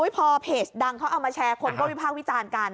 พอเพจดังเขาเอามาแชร์คนก็วิพากษ์วิจารณ์กัน